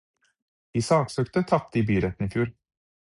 De saksøkte tapte i byretten i fjor.